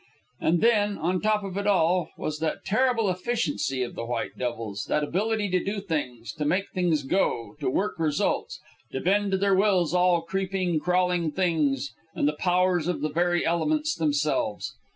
And then, on top of it all, was that terrible efficiency of the white devils, that ability to do things, to make things go, to work results, to bend to their wills all creeping, crawling things, and the powers of the very elements themselves.